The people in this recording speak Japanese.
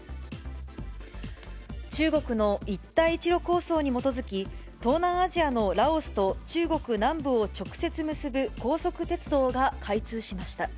中国の一帯一路構想に基づき、東南アジアのラオスと中国南部を直接結ぶ高速鉄道が開通しました。